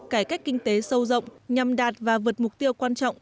cải cách kinh tế sâu rộng nhằm đạt và vượt mục tiêu quan trọng